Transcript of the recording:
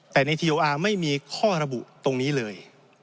แต่ในทีโออาร์ไม่มีข้อระบุตรงนี้เลย